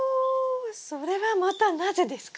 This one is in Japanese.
それはまたなぜですか？